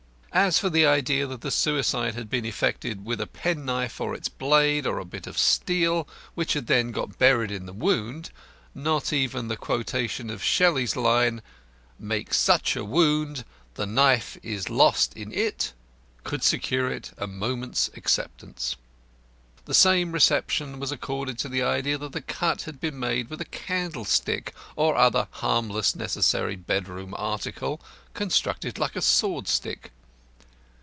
As for the idea that the suicide had been effected with a penknife or its blade, or a bit of steel, which had then got buried in the wound, not even the quotation of Shelley's line: "Makes such a wound, the knife is lost in it," could secure it a moment's acceptance. The same reception was accorded to the idea that the cut had been made with a candle stick (or other harmless necessary bedroom article) constructed like a sword stick.